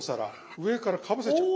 上からかぶせちゃう。